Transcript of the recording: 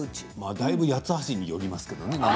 だいぶ八つ橋に寄りますけどね。